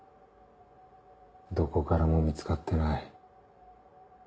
どこからも見つかってない。